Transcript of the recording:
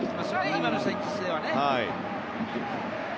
今の戦術ではね。